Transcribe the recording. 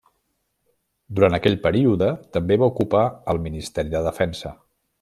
Durant aquell període també va ocupar el Ministeri de Defensa.